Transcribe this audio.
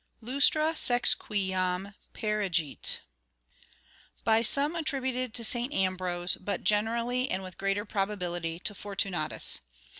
LUSTRA SEX QUI JAM PEREGIT By some attributed to St. Ambrose, but generally and with greater probability to Fortunatus.